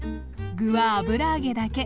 具は油揚げだけ！